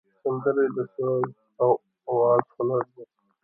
سندره د ساز او آواز هنر دی